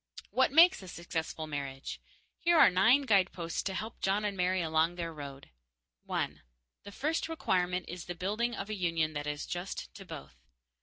What makes a successful marriage? Here are nine guideposts to help John and Mary along their road: _1. The first requirement is the building of a union that is just to both.